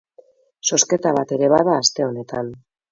Zozketa bat ere bada aste honetan.